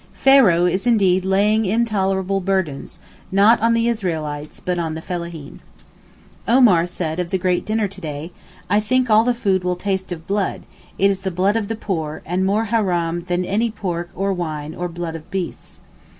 Pharoah is indeed laying intolerable burthens—not on the Israelites—but on the fellaheen. Omar said of the great dinner to day, 'I think all the food will taste of blood, it is the blood of the poor, and more haram than any pork or wine or blood of beasts.